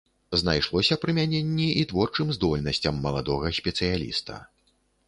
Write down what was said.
Знайшлося прымяненні і творчым здольнасцям маладога спецыяліста.